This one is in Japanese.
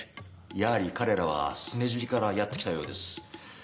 やはり彼らはスネジビからやって来たようです。